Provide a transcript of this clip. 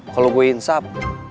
kalau gue insab